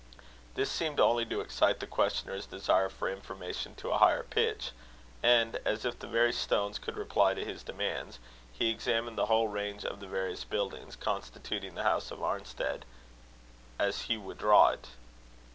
This seemed only to excite the questioner's desire for information to a higher pitch; and as if the very stones could reply to his demands, he examined the whole range of the various buildings constituting the house of Arnstead "as he would draw it."